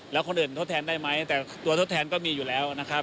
แล้วคนอื่นทดแทนได้ไหมแต่ตัวทดแทนก็มีอยู่แล้วนะครับ